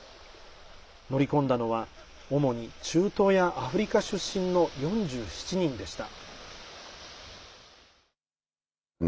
乗り込んだのは主に中東やアフリカ出身の４７人でした。